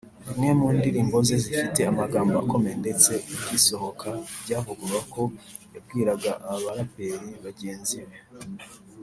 imwe mu ndirimbo ze zifite amagambo akomeye ndetse igisohoka byavugwaga ko yabwiraga abaraperi bagenzi be